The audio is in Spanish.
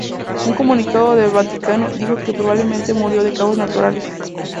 Un comunicado del Vaticano dijo que probablemente murió de causas naturales.